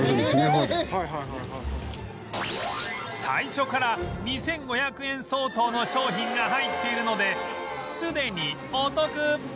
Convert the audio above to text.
最初から２５００円相当の商品が入っているのですでにお得